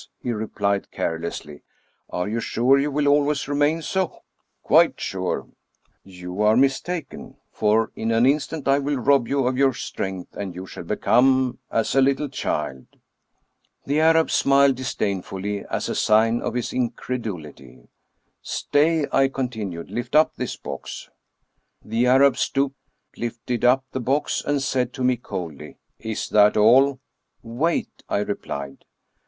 " he replied carelessly. "Are you sure you will always remain so?" " Quite sure." "You are mistaken, for in an instant I will rob you of your strength, and you shall become as a little child." The Arab smiled disdainfully as a sign of his incredulity. " Stay," I continued; " lift up this box." The Arab stooped, lifted up the box, and said to me, coldly, "Is that all?" "Wait—!" I replied.